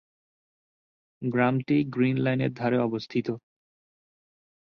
গ্রামটি গ্রীন লাইনের ধারে অবস্থিত।